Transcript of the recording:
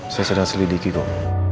saya sedang selidiki kamu